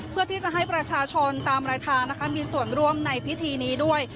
เพื่อที่จะให้ประชาชนตามรายทางนะคะมีส่วนร่วมในพิธีนี้ด้วย